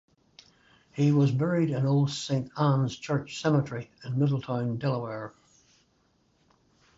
He was buried in Old Saint Anne's Church Cemetery in Middletown, Delaware.